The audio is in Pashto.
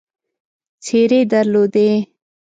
څېرې درلودې.